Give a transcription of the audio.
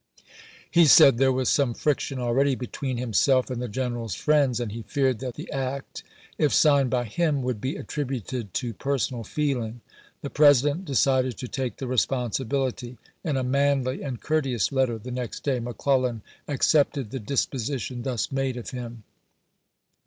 He said there was some friction already between himself and the general's friends, and he feared that the act, if signed by him, would be attributed to personal feeling. The President decided to take the responsibility. In a manly and courteous letter the next day, McClellan ac cepted the disposition thus made of him.